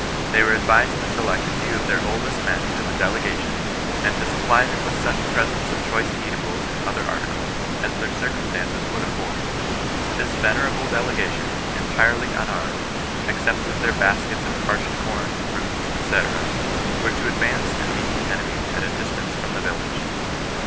They were advised to select a few of their oldest men as a delegation, and to supply them with such presents of choice eatables and other articles, as their circumstances would afford. This venerable delegation, entirely unarmed, except with their baskets of parched com, fruits, &c., were to advance and meet the enemy at a distance from the village.